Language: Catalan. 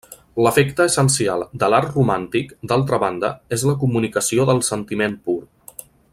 L'efecte essencial de l'art romàntic, d'altra banda, és la comunicació del sentiment pur.